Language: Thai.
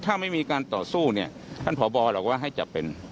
ถ้าไม่มีการต่อสู้เนี่ยท่านพบหรอกว่าให้จับเป็น